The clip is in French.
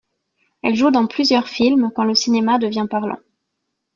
Elle joue dans plusieurs films quand le cinéma devient parlant.